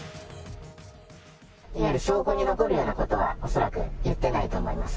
いわゆる証拠に残るようなことは恐らく言ってないと思います。